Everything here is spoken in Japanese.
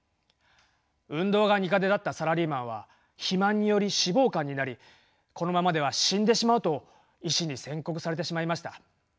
運動が苦手だったサラリーマンは肥満により脂肪肝になりこのままでは死んでしまうと医師に宣告されてしまいました。